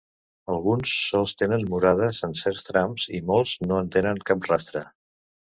Alguns sols tenen murades en certs trams i molts no en tenen cap rastre.